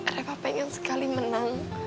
reva pengen sekali menang